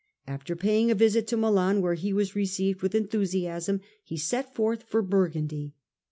After paying a visit to Milan, where he was received with enthusiasm, he set forth for Burgundy.